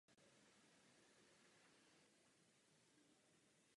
Je to ten nejlepší lék proti extremismu.